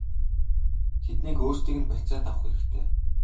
Тэднийг өөрсдийг нь барьцаанд авах хэрэгтэй!!!